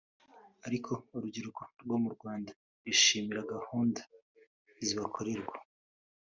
Ariko urubyiruko rwo mu Rwanda rwishimira gahunda zibakorerwa